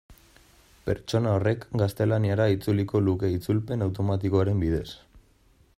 Pertsona horrek gaztelaniara itzuliko luke itzulpen automatikoaren bidez.